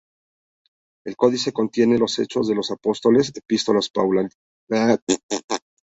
El codice contiene los Hechos de los Apóstoles, Epístolas paulinas, Apocalipsis de San Juan.